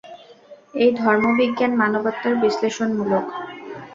এই ধর্ম- বিজ্ঞান মানবাত্মার বিশ্লেষণমূলক।